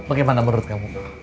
bagaimana menurut kamu